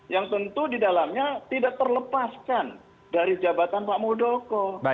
yang tentu di dalamnya tidak terlepaskan dari jabatan pak muldoko